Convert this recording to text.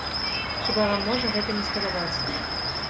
Хіба вам можа гэта не спадабацца?